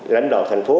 lãnh đạo thành phố